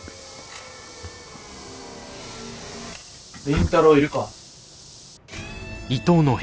倫太郎いるか？